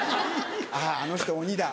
あぁあの人鬼だ。